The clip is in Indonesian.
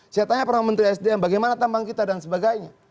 saya tanya para menteri sdm bagaimana tambang kita dan sebagainya